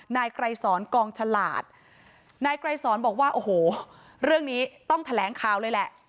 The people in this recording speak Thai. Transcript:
นายไกรสอนกองฉลาดนายไกรสอนบอกว่าโอ้โหเรื่องนี้ต้องแถลงข่าวเลยแหละ